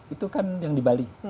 itu kan yang di bali